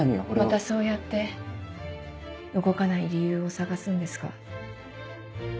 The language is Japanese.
またそうやって動かない理由を探すんですか？